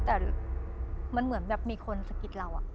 แต่มันเหมือนแบบมีคนสะกิดเรา